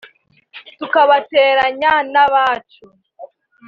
tukabateranya n’abacu